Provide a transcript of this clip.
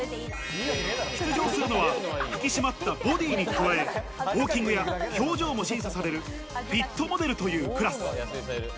出場するのは引き締まったボディに加え、ウォーキングや表情も審査されるフィットモデルというクラス。